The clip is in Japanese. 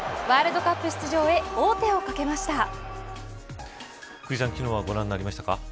ワールドカップ出場へ王手をかけました。